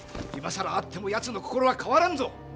今さら会ってもヤツの心は変わらんぞ！